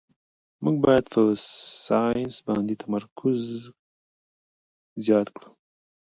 موږ باید په ساینس باندې تمرکز زیات کړو